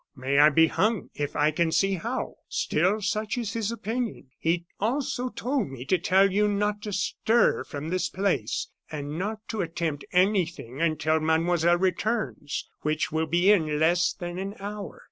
May I be hung if I can see how! Still such is his opinion. He also told me to tell you not to stir from this place, and not to attempt anything until mademoiselle returns, which will be in less than an hour.